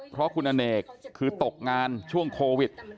เพราะคุณอเนกคือตกงานช่วงโควิด